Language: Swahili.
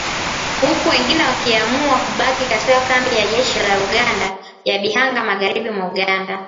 huku wengine wakiamua kubaki katika kambi ya jeshi la Uganda ya Bihanga magharibi mwa Uganda